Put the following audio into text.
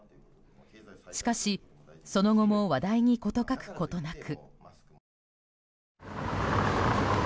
しかし、その後も話題に事欠くことなく。